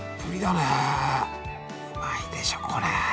うまいでしょこれ。